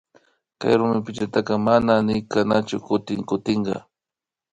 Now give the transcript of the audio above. Chay rumipillataka nama nitkanachu kutin kutinka